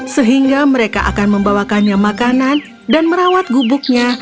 sehingga mereka akan membawakannya makanan dan merawat gubuknya